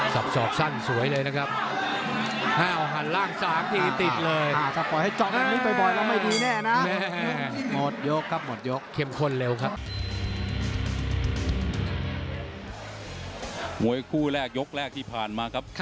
สอกสั้นสวยเลยนะครับ